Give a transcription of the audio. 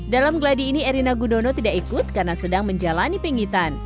dalam geladi ini erina gudono tidak ikut karena sedang menjalani pingitan